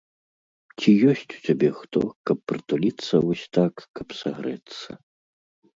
Ці ёсць у цябе хто, каб прытуліцца вось так, каб сагрэцца?